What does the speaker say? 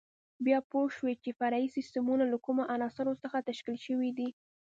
بیا پوه شو چې فرعي سیسټمونه له کومو عناصرو څخه تشکیل شوي دي.